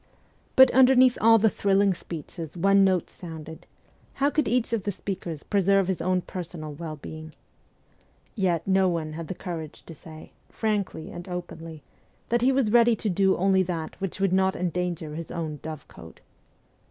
But underneath all the thrilling speeches, one note resounded : How could each of the speakers preserve his own personal well being? Yet no one had the courage to say, frankly and openly, that he was ready to do only that which would not endanger his own dovecote.